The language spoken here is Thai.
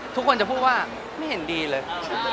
ทุกคนจะพูดว่าไม่เห็นดีเลย